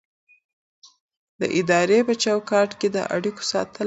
د ادارې په چوکاټ کې د اړیکو ساتل لازمي دي.